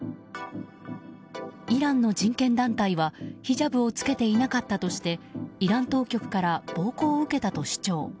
イランの人権団体は、ヒジャブを着けていなかったとしてイラン当局から暴行を受けたと主張。